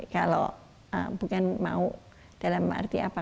kalau bukan mau dalam arti apa